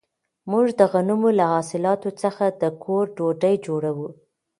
موږ د غنمو له حاصلاتو څخه د کور ډوډۍ جوړوو.